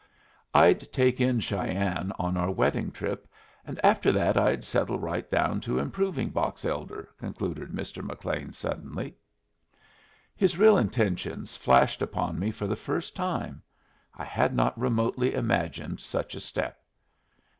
"I'd take in Cheyenne on our wedding trip, and after that I'd settle right down to improving Box Elder," concluded Mr. McLean, suddenly. His real intentions flashed upon me for the first time. I had not remotely imagined such a step.